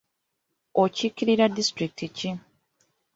Okiikirira disitulikiti ki?